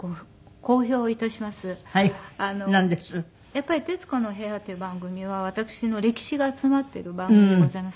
やっぱり『徹子の部屋』っていう番組は私の歴史が詰まっている番組でございます。